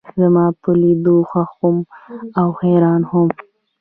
زما پۀ لیدو خوښ هم و او حیران هم.